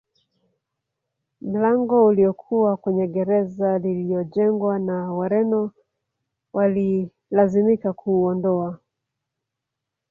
Mlango uliokuwa kwenye gereza lililojengwa na Wareno walilazimika kuuondoa